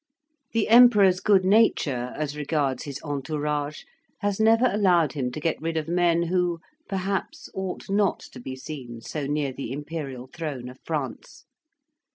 The Emperor's good nature, as regards his entourage, has never allowed him to get rid of men who, perhaps, ought not to be seen so near the Imperial throne of France.